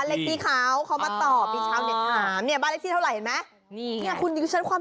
บ้านเลขที่ขาวเขามาตอบที่ขาวเน็ตถาม